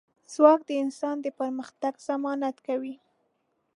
ځواک د انسان د پرمختګ ضمانت کوي.